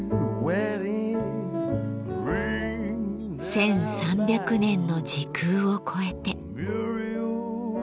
１，３００年の時空を超えて。